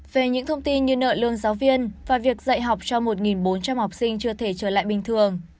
về những thông tin như nợ lương giáo viên và việc dạy học cho một bốn trăm linh học sinh chưa thể trở lại bình thường